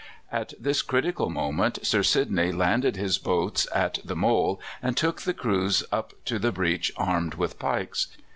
At this critical moment Sir Sidney landed his boats at the mole and took the crews up to the breach armed with pikes.